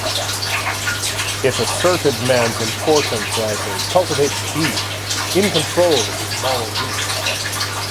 It asserted man's importance as a cultivated being, in control of his moral universe.